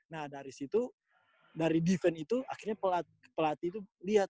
nah dari situ dari defense itu akhirnya pelatih itu lihat